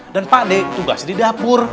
dan pak d tugasnya di dapur